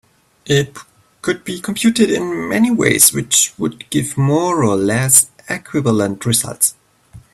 It could be computed in many ways which would give more or less equivalent results.